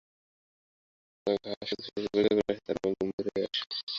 পরানের গলায় ঘা শশী যত পরীক্ষা করে ততই তার মুখ গম্ভীর হইয়া আসে।